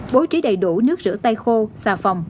bố trí đầy đủ nước rửa tay khô xà phòng